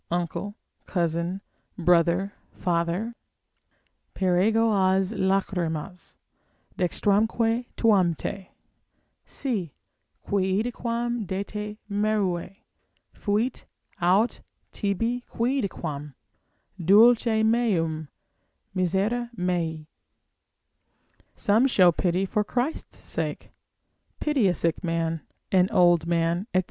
uncle, cousin, brother, father, ———Per ego has lachrymas, dextramque tuam te, Si quidquam de te merui, fuit aut tibi quidquam Dulce meum, misere mei. Show some pity for Christ's sake, pity a sick man, an old man, &c.